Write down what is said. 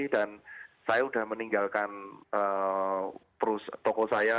dan saya udah meninggalkan toko saya